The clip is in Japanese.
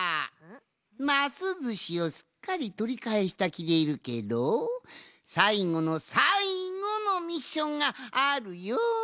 ますずしをすっかりとりかえしたきでいるけどさいごのさいごのミッションがあるよん。